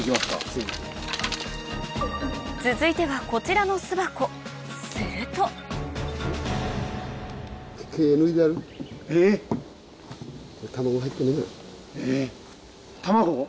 続いてはこちらの巣箱するとえっ卵？